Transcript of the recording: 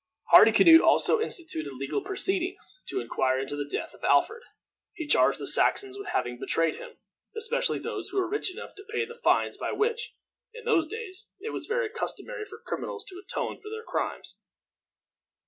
Hardicanute also instituted legal proceedings to inquire into the death of Alfred. He charged the Saxons with having betrayed him, especially those who were rich enough to pay the fines by which, in those days, it was very customary for criminals to atone for their crimes.